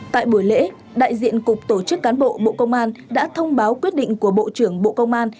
tại buổi lễ đại diện cục tổ chức cán bộ bộ công an đã thông báo quyết định của bộ trưởng bộ công an